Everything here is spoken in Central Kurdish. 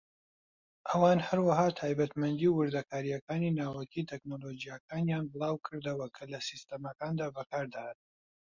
ئەوان هەروەها تایبەتمەندی و وردەکارییەکانی ناوەکی تەکنەلۆجیاکانیان بڵاوکردەوە کە لە سیستەمەکاندا بەکاردەهات.